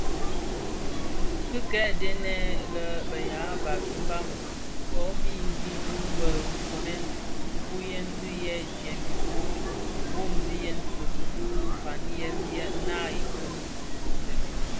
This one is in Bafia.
Ki kè dhëndèn lè be ya mbam ko dhi mbiň wu bë nkoomen nfuyen yi bi ndyem ufog, nwogsiyèn bitoki bi fañiyèn naa i bum ifogtèn.